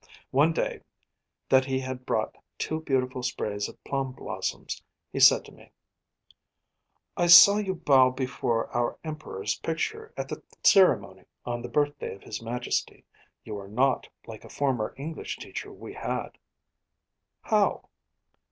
One day that he had brought two beautiful sprays of plum blossoms, he said to me: 'I saw you bow before our Emperor's picture at the ceremony on the birthday of His Majesty. You are not like a former English teacher we had.' 'How?'